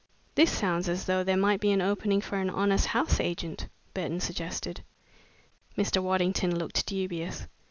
"This sounds as though there might be an opening for an honest house agent," Burton suggested. Mr. Waddington looked dubious.